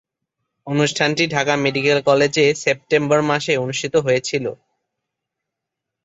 অনুষ্ঠানটি ঢাকা মেডিকেল কলেজে সেপ্টেম্বর মাসে অনুষ্ঠিত হয়েছিলো।